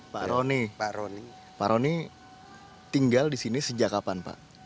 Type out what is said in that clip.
pak roni tinggal di sini sejak kapan pak